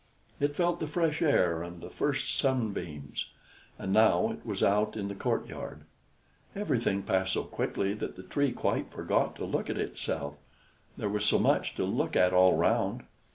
It felt the fresh air and the first sunbeams, and now it was out in the courtyard. Everything passed so quickly that the Tree quite forgot to look at itself, there was so much to look at all round.